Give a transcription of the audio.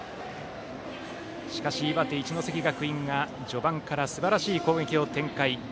しかし、岩手・一関学院が序盤からすばらしい攻撃を展開。